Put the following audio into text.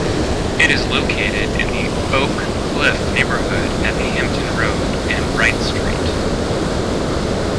It is located in the Oak Cliff neighborhood at Hampton Road and Wright Street.